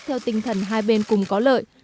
theo tinh thần hai bên cùng có lợi